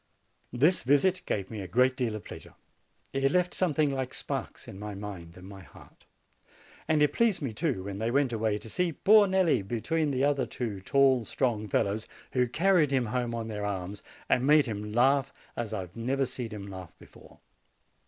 This visit gave me a great deal of pleasure; it left something like sparks in my mind and my heart. And it pleased me, too, when they went away, to see poor Nelli between the other two tall, strong fellows, who carried him home on their arms, and made him laugh as I have never seen him laugh before.